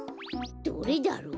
どれだろう？